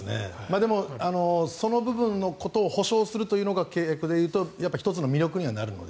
でもその部分のことを保証するというのが、契約ではやっぱり１つの魅力にはなるので。